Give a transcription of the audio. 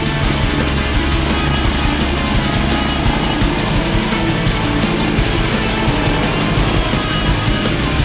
jangan lupa like share dan subscribe ya